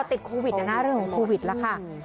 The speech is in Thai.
ติดโควิดหน้าเรื่องโควิดแล้วค่ะ